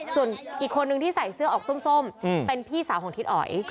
ส่วนอีกคนนึงที่ใส่เสื้อออกส้มเป็นพี่สาวของทิศอ๋อย